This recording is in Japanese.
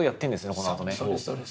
このあとね。